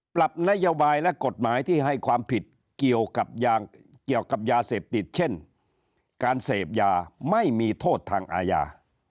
ปรับนโยบายและกฎหมายที่ให้ความผิดเกี่ยวกับยางเกี่ยวกับยาเสพติดเช่นการเสพยาไม่มีโทษทางอาญา